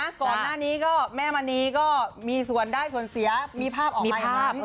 ก่อนหน้านี้ก็แม่มณีก็มีส่วนได้ส่วนเสียมีภาพออกมาว่า